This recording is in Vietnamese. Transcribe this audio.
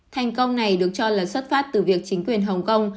thành công này được cho là xuất phát từ việc chính quyền hồng kông